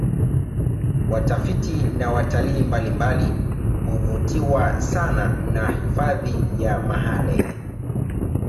Watafiti na watalii mbalimbali huvutiwa sana na hifadhi ya mahale